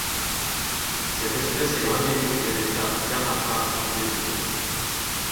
Cette espèce est endémique de l'État d'Amapá au Brésil.